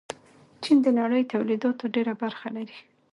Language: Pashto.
چین د نړۍ تولیداتو ډېره برخه لري.